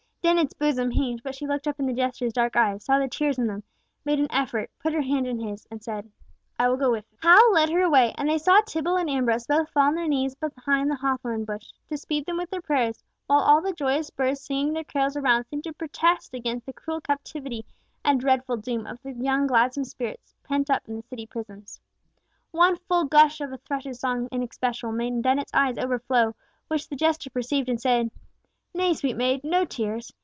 Dennet's bosom heaved, but she looked up in the jesters dark eyes, saw the tears in them, made an effort, put her hand in his, and said, "I will go with him." Hal led her away, and they saw Tibble and Ambrose both fall on their knees behind the hawthorn bush, to speed them with their prayers, while all the joyous birds singing their carols around seemed to protest against the cruel captivity and dreadful doom of the young gladsome spirits pent up in the City prisons. One full gush of a thrush's song in especial made Dennet's eyes overflow, which the jester perceived and said, "Nay, sweet maid, no tears.